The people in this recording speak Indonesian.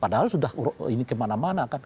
padahal sudah ini kemana mana kan